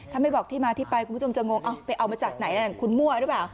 ถ้าไม่บอกที่มาที่ไปคุณผู้ชมจะงงเอาไปเอามาจากไหนคุณมั่วหรือเปล่า